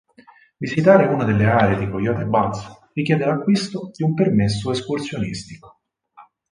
Visitare una delle aree di Coyote Buttes richiede l'acquisto di un permesso escursionistico.